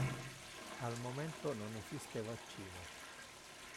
Al momento non esiste vaccino.